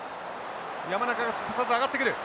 山中がすかさず上がってくる。